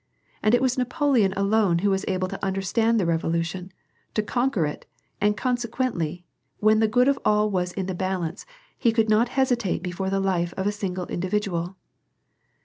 And it was Napoleon alone who was able to understand the revolution, to conquer it, and consequently, when the good of all was in the balance, he could not hesitate before the life of a single individual."